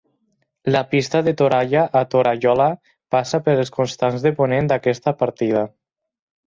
La Pista de Toralla a Torallola passa pel costat de ponent d'aquesta partida.